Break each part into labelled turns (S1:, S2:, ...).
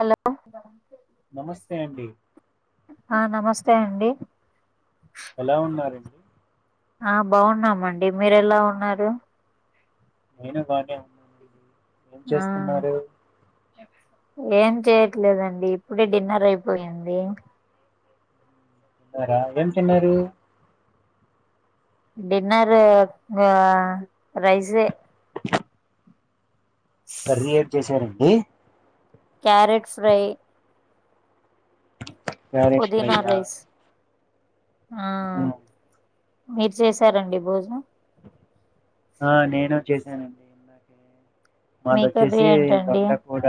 S1: Hello
S2: నమస్తే అండి
S1: ఆ నమస్తే అండి
S2: ఎలా ఉన్నారండి
S1: ఆ బాగున్నామండి మీరు ఎలా ఉన్నారు
S2: నేను బానే ఏం
S1: ఆ
S2: చేస్తున్నారు?
S1: ఏం చెయట్లేదండి ఇప్పుడే డిన్నర్ అయిపోయింది
S2: రాదంటున్నరూ
S1: డిన్నర్ కు రైసే
S2: కర్రీ ఏం చేశారండి
S1: క్యారెట్ ఫ్రై
S2: క్యారెట్ ఫ్రై
S1: పుదీనా
S2: ఆ
S1: రైస్ ఆ మీరు చేసారండి భోజనం
S2: ఆ నేను చేశానండి ఇందాకే.
S1: మీ కర్రీ
S2: మాదొచ్చేసి
S1: ఏంటండి
S2: దొండకూర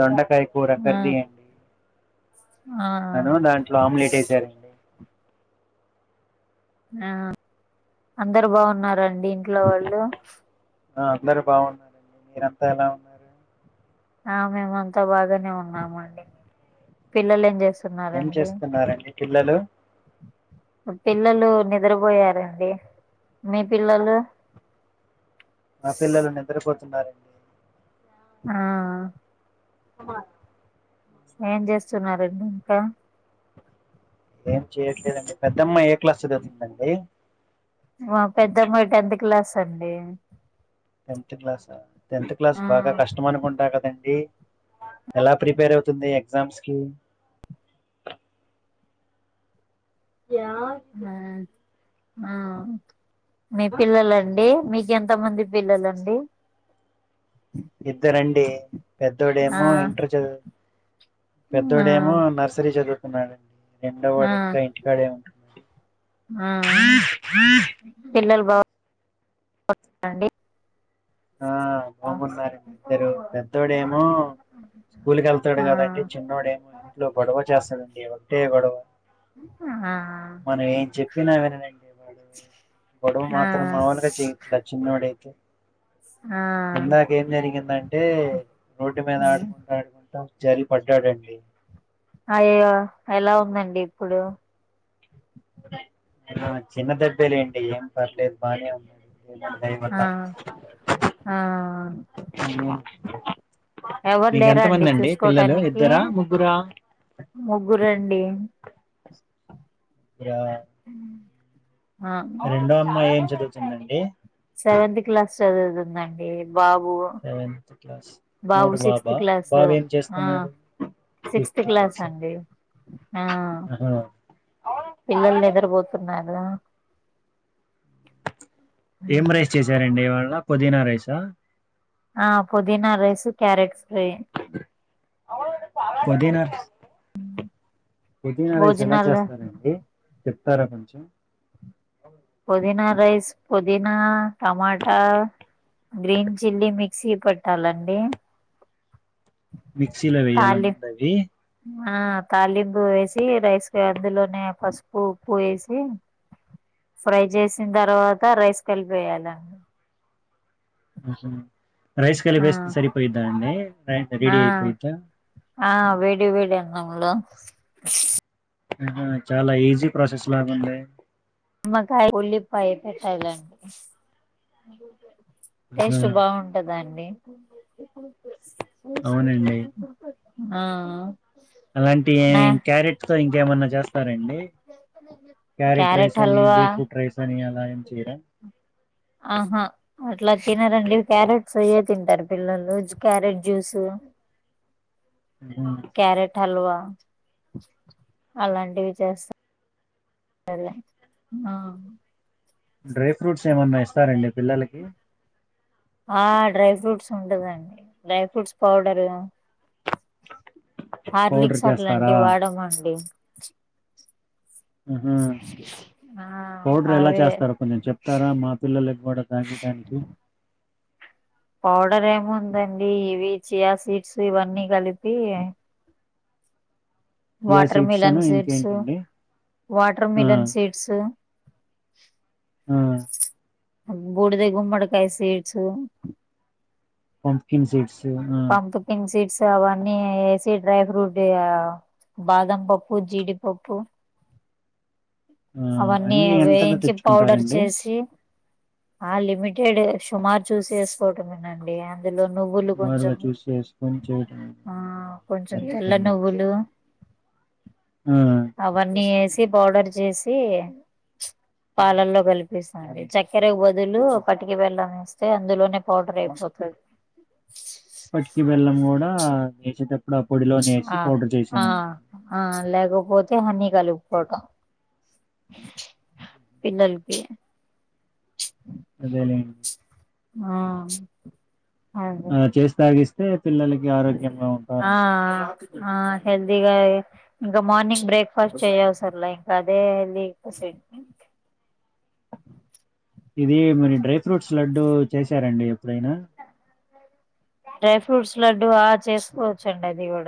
S2: దొండకాయ కూర
S1: ఆ
S2: కర్రీ అం
S1: ఆ
S2: నను దాంట్లో ఆమ్లెట్ వేసారు
S1: ఆ అందరు బాగున్నారండి ఇంట్లో వాళ్ళు
S2: అందరు బాగున మీరంతా ఎలా ఉ
S1: ఆ మేము అంతా బాగానే ఉన్నామండి పిల్లలు ఏం చేస్
S2: ఏం
S1: స్తున్నారండి
S2: చేస్తున్నారండి పిల్లలు?
S1: పిల్లలు నిద్రపోయారండి మీ పిల్లలు
S2: మా పిల్లలు నిద్రపోతున్నారం
S1: ఆ
S2: బ
S1: ఏం చేస్తున్నారండి ఇంకా
S2: ఏం చేయట్లేదండి పెద్దమ్మయి ఏ క్లాస్ చదువుతుందండి
S1: మా పెద్దమ్మాయి టెన్త్ క్లాస్ అండి
S2: టెన్త్ క్లాస టెన్త్ క్లాస్
S1: ఆ
S2: బాగా కష్టం అనుకుంటా కదండి ఎలా ప్రిపేర్ అవుతుంది ఎగ్జామ్స్ కి యా
S1: ఆ మీ పిల్లలండి మీ ఎంత మంది పిల్లలండి
S2: ఇద్దరండి
S1: ఆ
S2: పెద్దోడేమో ఇంటర్ చదువు
S1: ఆ
S2: పెద్దోడేమో నర్సరీ చదువు న్నాడండి రెండో
S1: ఆ
S2: వాడు ఇంకా ఇంటికాడే ఉంటు
S1: ఆ పిల్లలు బా అండి
S2: ఆ బాగున్నారు ఇద్దరు పెద్దోడేమో స్కూల్కి వెళ్తాడు
S1: ఆ
S2: కదండి చిన్నోడేమో ఇంట్లో గొడవ చేస్తాడండి ఒకటే గోడవ
S1: ఆ
S2: మనం ఏం చెప్పినా వినడండి వాడు గొడవ
S1: ఆ
S2: మాత్రం మాములుగా చేయట్లా చిన్నోడు అయితే
S1: ఆ
S2: ఇందాక ఏం జరిగిందంటే రోడ్డు మీద ఆడుకుంటూ ఆడుకుంటా జారి పడ్డాడండి
S1: అయ్యో ఎలా ఉందండి ఇప్పుడు
S2: ఆ చిన్న దెబ్బేలేండి ఏం పర్లేదు బానే ఉంది ంటయింట
S1: ఆ ఆ
S2: [unintelligible]
S1: ఎవరు
S2: మీకు
S1: లేరండి
S2: ఎంతమంది అండి పిల్లలు
S1: చూసుకోటానికి
S2: ఇద్దరా ముగ్గురా
S1: ముగ్గురండి
S2: ఇ [unintelligible]
S1: ఆ
S2: రెండో అమ్మాయి ఏం చదువుతుందండి
S1: సెవెంత్ క్లాస్ చదువుతుందండి బాబు
S2: సెవెన్త్ క్లాస్
S1: బాబు
S2: మూడు
S1: సిక్స్త్
S2: బాబా
S1: క్లాసు
S2: బాబు ఏం
S1: ఆ
S2: చేస్తున్నడు
S1: సిక్స్త్ క్లాస్ అండి ఆ
S2: [unintelligible]
S1: పిల్లలు నిద్రపోతున్నారు
S2: ఏం రైస్ చేసారండి ఇవాళ పుదీనా రైసా
S1: ఆ పుదీనా రైస్ క్యారెట్స్ ఫ్రై
S2: పుదీనా పుదీనా రేస్ ఎలా
S1: భోజనాలు
S2: చేస్తారండి చెప్తారా కొంచెం
S1: పుదీనా రైస్ పుదీనా టమాటా గ్రీన్ చిల్లీ మిక్సీ పట్టాలండి
S2: మిక్సీలో వేయ్యాల
S1: తాళి
S2: ముందు అవి
S1: ఆ తాలింపు వేసి రైస్ అందులోనే పసు ఉప్పు వేసి ఫ్రై చేసిన తర్వాత రైస్ కలిపి వేయాల
S2: రైస్ కలిపి
S1: ఆ
S2: వేస్తే సరిపోయిద్దా అండి
S1: ఆ
S2: రెడీ అయిపోయిద్దా
S1: ఆ వేడి వేడి అన్నామ్ లో
S2: ఆహా చాలా ఈజీ ప్రాసెస్ లాగుందే
S1: నిమ్మకాయ ఉల్లిపాయ పెట్టాలండి
S2: ఆహా!
S1: టేస్ట్ బాగుంటదండి
S2: అవునండి.
S1: ఆ
S2: అలాంటి
S1: నా
S2: ఏమి క్యారెట్ ఇంకేమన్నా చేస్తారండి క్యారెట్ రైస్ అని బీట్రూట్ రైస్ అని అలా ఏమ్ చేయరా
S1: ఆహా అట్లా తినారండి క్యారెట్స్ అయ్యే తింటారు పిల్లలు క్యారెట్ జ్యూస్
S2: ఆ
S1: క్యారెట్ హల్వా అలాంటివి చేస్తా ఆ
S2: డ్రై ఫ్రూట్స్ ఏమన్నా ఇస్తారండి పిల్లలకి
S1: ఆ డ్రై ఫ్రూట్స్ ఉండదండి dry fruits powder
S2: powder
S1: Horlicks అట్లా అంటి
S2: చేస్తారా?
S1: వాడమ అండి
S2: ఆహా!
S1: ఆ
S2: పౌడర్ ఎలా
S1: అదే
S2: చేస్తారో కొంచెం చెప్తారా? మా పిల్లలకి గూడా తాగేయడానికి.
S1: పౌడర్ ఏముందండి ఇవి చియా సీడ్స్ ఇవన్నీ కలిపి
S2: చియా
S1: వాటర్
S2: సీడ్స్
S1: మిలన్
S2: అను
S1: సీడ్స్
S2: ఇంకేంటండి?
S1: వాటర్
S2: ఆ!
S1: మిలన్ సీడ్స్
S2: ఆ
S1: బూడద గుమ్మడుకాయ seeds
S2: pumpkin seeds
S1: pumpkin seeds అవన్నీ ఏసి డ్రై ఫ్రూట్ ఇగా బాదం పప్పు జీడిపప్పు
S2: ఆ!
S1: అవన్నీ ఏ
S2: అన్నీ ఎంతలో
S1: వేయించి పౌడర్
S2: తెచ్చుకుంటారండి?
S1: చేసి ఆ లిమిటెడే సుమారు చూసి ఏసుకోవటమేనండి అందులో నువ్వులు
S2: సుమారుగా
S1: కొంచెం
S2: చూసి చేసుకొని చేయటం.
S1: ఆ
S2: ఆహా!
S1: కొంచెం
S2: సరే,
S1: తెల్ల
S2: సరే అండి.
S1: నువ్వులు
S2: ఆ
S1: అవన్నీ ఏసి పౌడర్ చేసీ పాలల్లో కలిపిస్తా అది చక్కెరకు బదులు పటికి బెల్లం వేస్తే అందులోనే పౌడర్ అయిపోతది
S2: పటికి బెల్లం గూడ ఏసేటప్పుడు ఆ పొడిలోనే ఏసి
S1: ఆ
S2: పౌడర్
S1: ఆ
S2: చేసేమంటద్
S1: ఆ లేకపోతే హనీ కలుపుకోవటమే పిల్లల్కి
S2: అదేలెండ్
S1: ఆ అదే
S2: ఆ చేసి తాగిస్తే పిల్లలకి ఆరోగ్యంగా
S1: ఆ
S2: ఉంటారంటారు.
S1: ఆ హెల్దిగా ఏ ఇంక మార్నింగ్ బ్రేక్ఫాస్ట్ చెయ్యవసర్లా ఇంకా అదే బ్రేక్ఫాస్ట్ అయిద్ది
S2: ఇది మరి డ్రై ఫ్రూట్స్ లడ్డు చేసారండి ఎప్పుడైనా
S1: డ్రై ఫ్రూట్స్ లడ్డు ఆ చేసుకోవచ్చండి అది గూడ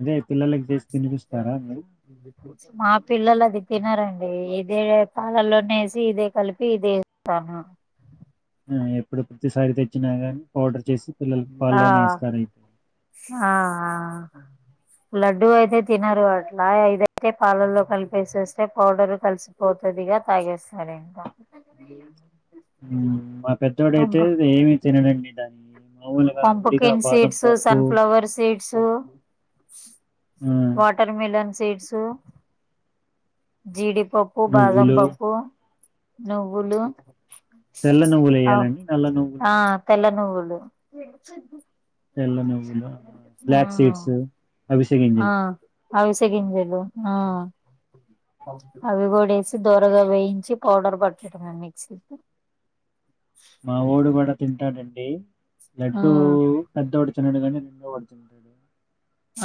S2: అదే పిల్లలకి జేసి తినిపిస్తారా మీరు
S1: దికు మా పిల్లలది తినరండి ఇదే పాలల్లోనే ఏసి ఇదే కలిపి ఇదే ఇస్తాను
S2: ఉమ్ ఎప్పుడు ప్రతిసారి తెచ్చినా గానీ పౌడర్ చేసి పిల్లలకి
S1: ఆ
S2: పాల్లోనే ఇస్తారైతే.
S1: ఆ హా లడ్డుూ అయితే తినరు అట్లా ఇదైతే పాలల్లో కలిపేసేస్తే పౌడరు కలిసి పోతదిగా తాగేస్తరింకా
S2: ఉమ్ మా పెద్దోడయితే ఏమి తినడండి దానియి మాములుగా విడిగా
S1: పంపుకిన్
S2: బాదం
S1: సీడ్స్
S2: పప్పు
S1: సన్ఫ్లవర్ సీడ్స్
S2: ఆ
S1: వాటర్ మిలన్ సీడ్స్ జీడిపప్పు,
S2: నువ్వులు,
S1: బాదంపప్పు, నువ్వులు
S2: తెల్ల
S1: అవు
S2: నువ్వులెయ్యాలండి. నల్ల నువ్వులా?
S1: ఆ తెల్ల నువ్వులు
S2: తెల్ల నువ్వులు ఆ ఫ్లాక్
S1: ఆ
S2: సీడ్స్ అవిసె
S1: ఆ
S2: గింజలు.
S1: అవిసె గింజలు ఆ అవి గూడేసి దోరగా వేయించి పౌడర్ పట్టడమే మిక్సీకి
S2: మా వోడు గూడ తింటాడండి
S1: ఆ
S2: లడ్డూ పెద్దవోడు తినడు కని చిన్న వాడు తింటాడు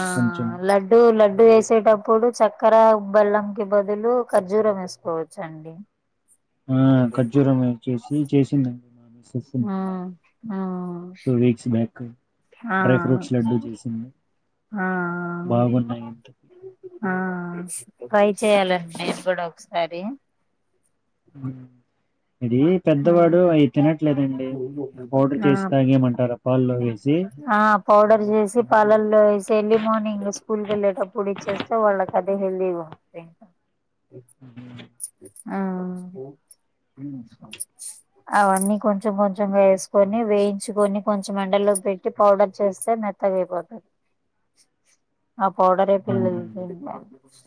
S1: ఆ
S2: కొంచెం.
S1: లడ్ డు లడ్డు వేసేటప్పుడు చక్కర బెల్లం కి బదులు ఖర్జూరం ఏసుకోవచ్చు చండి
S2: ఆ ఖర్జూరమే చేసి చేసిందండి మా మిస్ చేసింది
S1: ఆ
S2: బానే
S1: ఆ
S2: టూ వీక్స్ బ్యాక్
S1: ఆ
S2: డ్రై ఫ్రూట్స్ లడ్డూ చేసింది
S1: ఆ
S2: బాగున్నాయి ఇంతకి
S1: ఆ ట్రై చేయాలండి నేను గూడా ఒకసారి
S2: ఉమ్ ఇదీ
S1: ఆ
S2: పెద్దవాడు అవి తినట్లేదండి మరి పౌడర్ చేసి తగైమంటార పాల్లో వేసి
S1: ఆ పౌడర్ చేసి పాలల్లో వేసి ఎర్లీ మార్నింగ్ స్కూల్ వెళ్ళేటప్పుడు ఇ [unintelligible] వాళ్ళకి అదే హెల్తీ
S2: హుహు.
S1: ఆ అవన్నీ కొంచెం కొంచెంగా వేసుకొని వేయించుకొని కొంచెం ఎండల్లోకి పెట్టి పౌడర్ చేస్తే మెత్తగా అయిపోతుంది ఆ పౌడరే [unintelligible]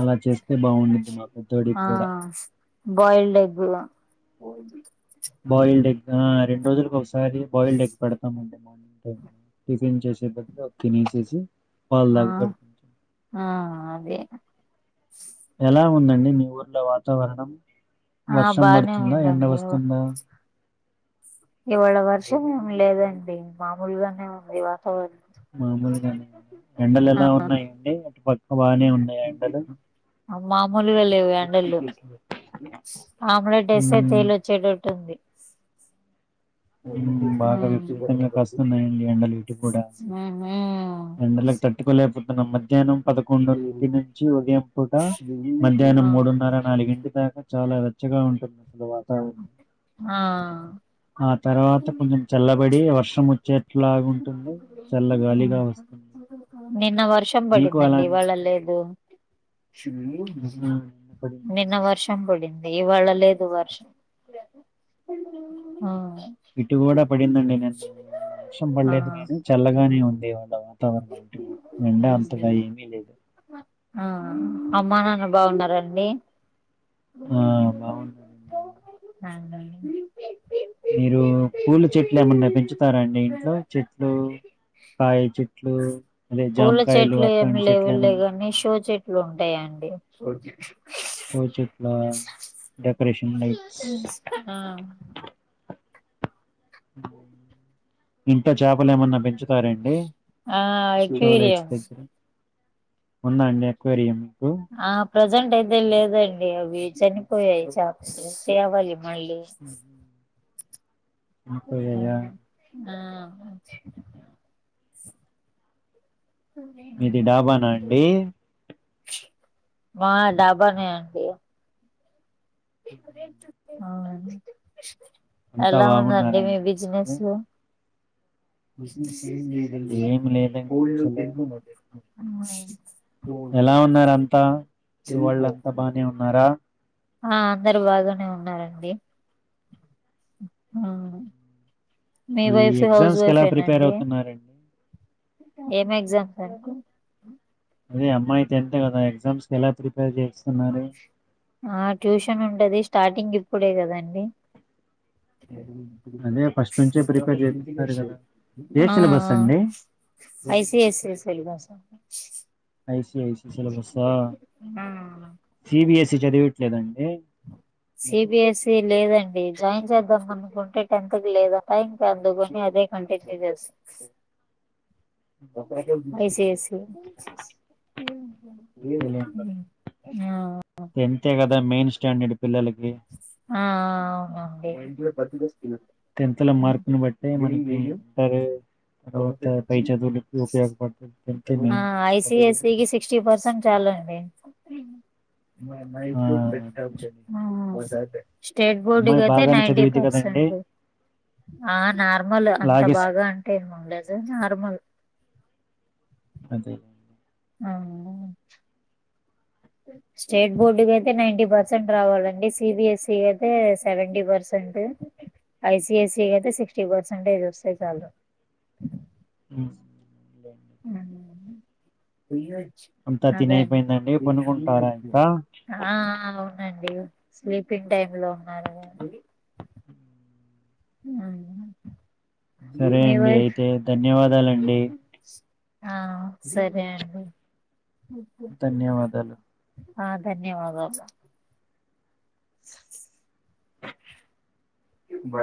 S2: అల చేస్తే బాగుండద్ది మా పెద్ద్దోడికి
S1: ఆ!
S2: కూడ
S1: బాయిల్డ్ ఎగ్
S2: బాయిల్డ్ ఎగ్ రెండు రోజుల ఒకసారి బయిల్డ్ ఎగ్ పెడతామ్ అండి టిఫిన్ చేసే పద్ద తినసేసి
S1: ఆ ఆ అదే
S2: ఎల ఉందండి మీ ఊర్లో వాతావరణం
S1: ఆ!
S2: వర్షం
S1: బానే
S2: పడుతుంద ఎండ
S1: ఉందండి.
S2: వస్తుందా
S1: ఇవాళ వర్షం ఏమి లేదండి మామూలుగానే ఉంది వాతావరణం
S2: ఎండలు
S1: ఆ!
S2: ఎలా ఉన్నాయండి అటు పక్క బానే ఉన్నాయ ఎండలు
S1: మామూలుగా లేవు ఎండలు ఆమ్లెట్ తెస్తే
S2: హ్మ్.
S1: తేలొచ్చేటట్టుంది
S2: బాగ
S1: ఆ!
S2: విపరీతంగా కస్తన్నాయండి ఎండలు ఇటి కూడాఎండలు కుడ తట్టుకోలేపోతున్నాం మధ్యనం పదకొండుంటి నుంచి ఉదయం పూట
S1: హుహు.
S2: మధ్యాహ్నం మూడున్నర నాలుగింటి దాక చాల వెచ్చగా ఉంటుంది అసలు వాతావరణం
S1: ఆ
S2: ఆ తర్వాత కొంచెం చల్లబడి వర్షం ఒ చెట్లాగుంటుంది చల్ల గాలిగ వస్
S1: నిన్న వర్షం పడిందండి ఇవాళ
S2: ఉందండి?
S1: లేదు
S2: ఆహా! నిన్న పడిందా?
S1: నిన్న వర్ వర్షం పడింది ఇవాళ్ళ లేదు వర్షం
S2: ఇటు కూడ పడిందండి నేన్న ఇవాళ వర్షం
S1: ఆ
S2: పడలేదు గాని చల్లగానే ఉందివాళ వం వాతావరణం [unintelligible] అంతగా ఏమీ లేదు
S1: ఆ అమ్మా నాన్న బాగున్నర అండి
S2: ఆ! బావున్నానండి.
S1: అ
S2: మీరు పూల చెట్లు ఏమన్నా పెంచుతరాండి ఇంట్లో చెట్లు కాయ చెట్లు అదే
S1: పూల
S2: జామకాయలు
S1: చెట్లు ఏమి
S2: అట్లాంటి చెట్లు ఏమన్నా
S1: లేవులేగానీ శో
S2: ఉన్నాయండి?
S1: చె ట్లు ఉంటాయండి
S2: ఫో చెట్లా డెకరేషన్ నైట్స్
S1: ఆ
S2: ఇంకా చేపలేమన్నా పెంచు సరే అండి
S1: ఆ
S2: షో
S1: ఎక్వేరియం
S2: లైట్స్ దగ్గర ఉంద అండి అక్వేరియం మీకు
S1: ఆ ప్రజెంట్ అయితే లేదండి అవి చనిపోయాయి చాపస్ తేవాలి మళ్ళీ
S2: హు
S1: ఆ [unintelligible]
S2: మీది డాబాన అండి
S1: మా డాబనే అండి అ
S2: అంతా
S1: ఎలా ఉందండి మీ
S2: బాగున్నారండి ఇంతకీ
S1: బిజినెస్లు బిజినెస్ ఏంలేదండీ
S2: ఏం లేదండి అసలు ఎలా ఉన్నారంతా, మీ వాళ్ళంతా బానే ఉన్నారా.
S1: ఆ అందరు బాగానే ఉన్నారండి, ఆ మీ
S2: ఈ
S1: వైఫ్, హౌస్
S2: ఎగ్జామ్స్ కి
S1: వైఫ్
S2: ఎలా
S1: ఏనా
S2: ప్రిపేర్
S1: అండి.
S2: అవుతున్నారండి
S1: ఏం ఎగ్జామ్స్ [unintelligible]
S2: అదే అమ్మాయితే టెన్త్ కదా, ఎగ్జామ్స్ కీ ఎలా ప్రిపేర్ చేయిస్తున్నారు.
S1: ఆ ట్యూషన్ ఉంటది, స్టార్టింగ్ ఇప్పుడే కదండి.
S2: అదే ఫస్ట్ నుంచే ప్రిపేర్ చేపిస్తారు కదా ఏ
S1: ఆ
S2: సిలబస్
S1: ఆ
S2: అండి
S1: I C I C I స్ syllabus
S2: I C I C సిలబస్సా, సి బి ఎస్ ఈ చదివిట్లేదండి.
S1: సి బి ఎస్ ఈ లేదండి, జాయిన్ చేద్దాం అనుకుంటే టెన్త్ కి లేద్ ఆట ఇంకా ఎందుకని అదే అంటే [unintelligible] ఐ సి ఐ సి [unintelligible] ఆ
S2: టెన్తే గదా మెయిన్ స్టాండర్డ్ పిల్లలకి.
S1: ఆ ఆ ఆ అండి
S2: టెన్త్ లో మార్కును బట్టి మనకి ఇంటారు తర్వాత పై చదువులకి ఉపయోగపడుతుంది, టెన్త్ ఏ మెయిన్ [unintelligible]
S1: పీజీ సిక్స్టీ పర్సెంట్ చాలు అండి.
S2: ఆ అదేలేండి
S1: ఆ స్టేట్ బోర్డుకి
S2: అమ్మాయి
S1: అయితే
S2: బాగానే
S1: నైన్ంటీ
S2: చదివిద్ది కదండి
S1: పర్సెంట్. ఆ నార్మల్, అంత
S2: లాగేసి
S1: బాగా అంటే ఏం ఉండదు నార్మల్.
S2: అదే
S1: ఆ స్టేట్ బోర్డు కైతే నైన్టీ పర్సెంట్ రావాలండి, సి బి ఎస్ ఈ అయితే seventy percent, I C I C అయితే సిక్స్టీ పర్సెంటేజ్ వస్తే చాలు.
S2: ఉమ్
S1: ఉమ్మ్
S2: అంత తినైపోయిందండి, పనుకుంటారా ఇంకా.
S1: ఆ ఆ అవునండి, స్లీపింగ్ టైమ్ లో ఉన్నారు. ఆ
S2: సరే
S1: మీ
S2: అండి
S1: వైఫ్
S2: అయితే ధన్యవాదాలండి
S1: స్ ఆ సరే అండి.
S2: ధన్యవాదాలు.
S1: ఆ ధన్యవాదాలు. బై